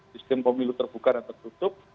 sistem pemilu terbuka dan tertutup